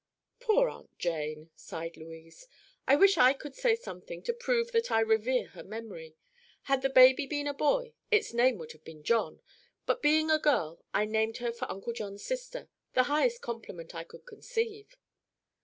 "Poor Aunt Jane!" sighed Louise. "I wish I could say something to prove that I revere her memory. Had the baby been a boy, its name would have been John; but being a girl I named her for Uncle John's sister—the highest compliment I could conceive."